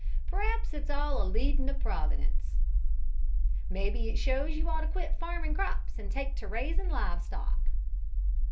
P'r'aps it's all a leadin' o' Providence. Mebbe it shows you'd ought to quit farmin' crops an' take to raisin' live stock!"